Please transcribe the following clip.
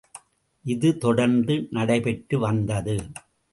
இது தொடர்ந்து நடைபெற்று வந்தது.